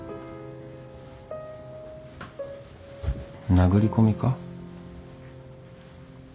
殴り込みか？